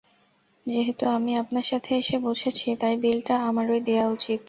যেহেতু আমি আপনার সাথে এসে বসেছি, তাই বিলটা আমারই দেয়া উচিৎ।